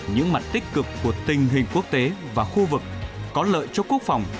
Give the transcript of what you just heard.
những mặt tích cực của tình hình quốc tế và khu vực có lợi cho quốc phòng